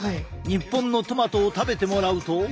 日本のトマトを食べてもらうと。